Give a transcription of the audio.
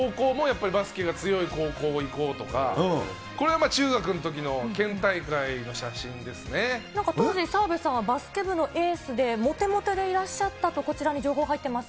バスケが強い高校に行こうとか、これは中学のときの県大会の写真なんか当時、澤部さんはバスケ部のエースで、もてもてでいらっしゃったと、こちらに情報入ってます。